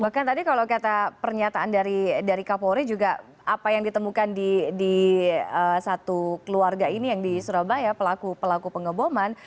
bahkan tadi kalau kata pernyataan dari kapolri juga apa yang ditemukan di satu keluarga ini yang di surabaya pelaku pelaku pengeboman